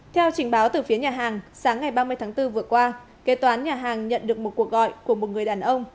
theo trình báo từ phía nhà hàng sáng ngày ba mươi tháng bốn vừa qua kế toán nhà hàng nhận được một cuộc gọi của một người đàn ông